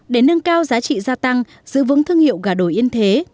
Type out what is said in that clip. để nâng cao giá trị gia tăng giữ vững thương hiệu gà đồi yên thế